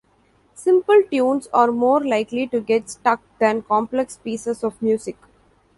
Simple tunes are more likely to get stuck than complex pieces of music.